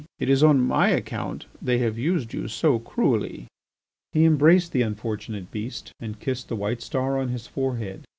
"It is on my account they have used you so cruelly." He embraced the unfortunate beast and kissed the white star on his forehead.